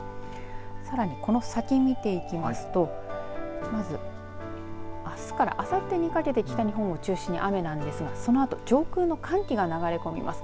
さらに、この先見ていきますとまずあすからあさってにかけて北日本を中心に雨なんですがそのあと上空の寒気が流れ込みます。